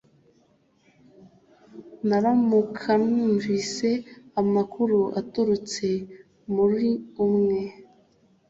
Nuramuka wumvise amakuru aturutse muri umwe